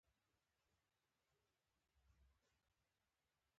مریتوب منع شو.